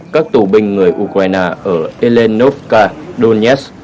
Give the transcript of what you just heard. các tù binh người ukraine ở elenovka donetsk